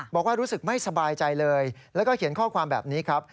บอกว่ารู้สึกไม่สบายใจเลยแล้วก็เขียนข้อความแบบนี้ครับ